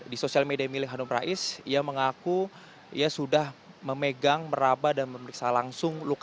di sosial media milik hanum rais ia mengaku ia sudah memegang meraba dan memeriksa langsung luka